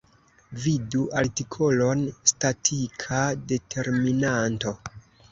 Vidu artikolon: statika determinanto.